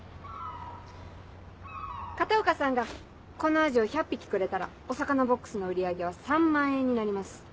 片岡さんがこのアジを１００匹くれたらお魚ボックスの売り上げは３万円になります。